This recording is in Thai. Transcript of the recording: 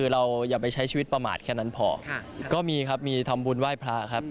เราอย่าไปใช้ชีวิตประมาทแค่นั้นพอก็มีครับมีทำบุญไหว้พระครับ